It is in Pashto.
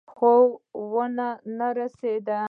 خو ونه رسېد.